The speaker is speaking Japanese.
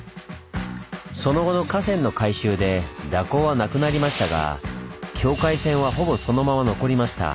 その後の河川の改修で蛇行はなくなりましたが境界線はほぼそのまま残りました。